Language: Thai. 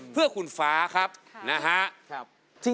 เพื่อคุณฟ้าครับนะฮะ